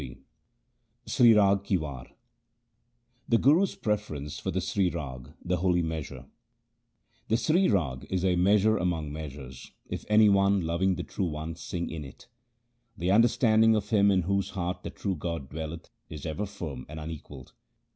Sri Rag ki War The Guru's preference for the Sri Rag, the holy measure :— The Sri Rag is a measure among measures, if any one loving the True One sing in it. 1 The understanding of him in whose heart the true God dwelleth is ever firm and unequalled.